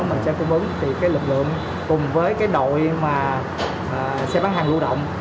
mình sẽ cung ứng thì cái lực lượng cùng với cái đội mà xe bán hàng lưu động